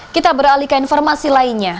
kita beralih ke informasi lainnya